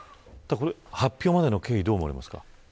発表までの経緯どう思われますか。